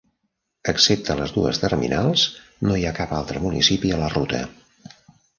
Excepte les dues terminals, no hi ha cap altre municipi a la ruta.